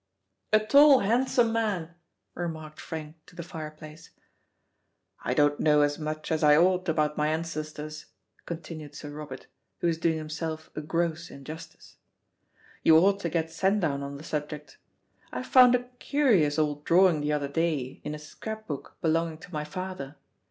"A tall, handsome man," remarked Frank to the fireplace. "I don't know as much as I ought about my ancestors," continued Sir Robert, who was doing himself a gross injustice. "You ought to get Sandown on the subject. I found a curious old drawing the other day in a scrapbook belonging to my father.